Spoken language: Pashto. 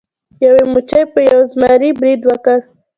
یوې مچۍ په یو زمري برید وکړ.